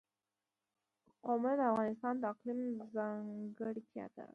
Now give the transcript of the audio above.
قومونه د افغانستان د اقلیم ځانګړتیا ده.